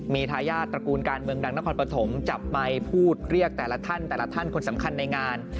มีทายาทตระกูลการเมืองดังนครปฐมจับไมค์พูดเรียกแต่ละท่านแต่ละท่านคนสำคัญในงาน